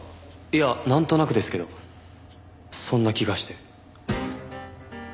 いやなんとなくですけどそんな気がして。